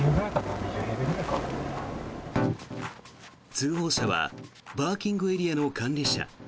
通報者はパーキングエリアの管理者。